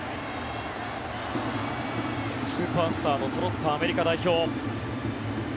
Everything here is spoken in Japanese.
スーパースターのそろったアメリカ代表。